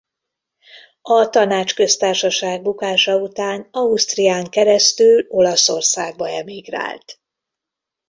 A Tanácsköztársaság bukása után Ausztrián keresztül Olaszországba emigrált.